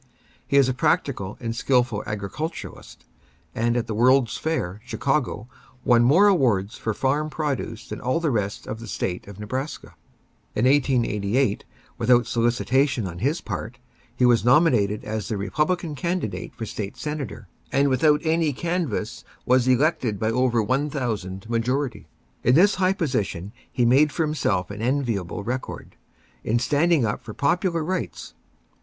He is a practical and skilful agriculturist, and at the World's Fair, Chicago, won more awards for farm produce than all the rest of the State of Nebraska. In 1888, without solicitation on his part, he was nominated as the Republican candidate for State Senator; and without any canvass was elected by over 1,000 majority. In this high position he made for himself an enviable record, in standing up for popular rights.